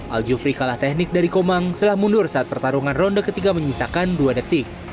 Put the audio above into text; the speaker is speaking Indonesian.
al jufri kalah teknik dari komang setelah mundur saat pertarungan ronde ketiga menyisakan dua detik